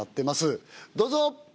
どうぞ！